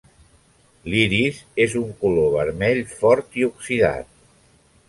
L"iris es un color vermell fort i oxidat.